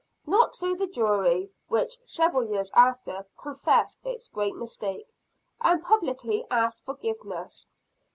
Not so the jury which, several years after, confessed its great mistake, and publicly asked forgiveness.